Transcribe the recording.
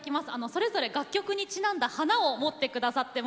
それぞれ楽曲にちなんだ花を持って下さってます。